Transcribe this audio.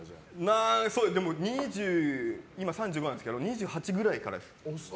今３５なんですけど２８ぐらいからです。